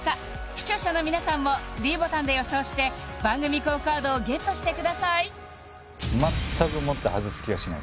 視聴者の皆さんもｄボタンで予想して番組ＱＵＯカードをゲットしてください